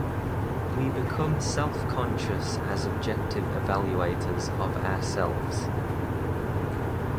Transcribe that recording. We become self-conscious as objective evaluators of ourselves.